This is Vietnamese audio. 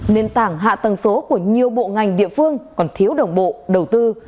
nền tảng hạ tầng số của nhiều bộ ngành địa phương còn thiếu đồng bộ đầu tư